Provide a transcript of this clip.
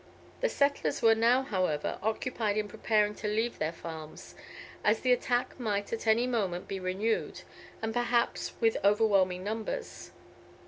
The settlers were now, however, occupied in preparing to leave their farms, as the attack might at any moment be renewed, and perhaps with overwhelming numbers.